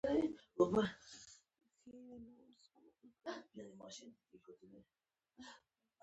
شاید د دې لامل دا وي.